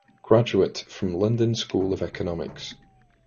Graduate from London School of Economics.